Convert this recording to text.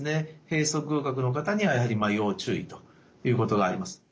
閉塞隅角の方にはやはり要注意ということがあります。